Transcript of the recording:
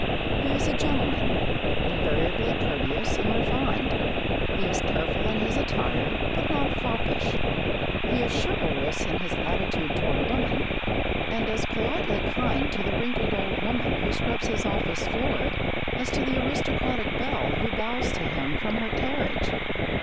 He is a gentleman, invariably courteous and refined. He is careful in his attire, but not foppish. He is chivalrous in his attitude toward woman, and as politely kind to the wrinkled old woman who scrubs his office floor as to the aristocratic belle who bows to him from her carriage.